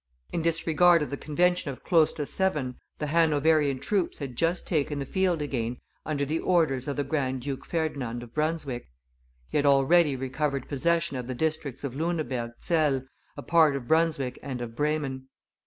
In disregard of the convention of Closter Severn, the Hanoverian troops had just taken the field again under the orders of the Grand Duke Ferdinand of Brunswick; he had already recovered possession of the districts of Luneberg, Zell, a part of Brunswick and of Bremen.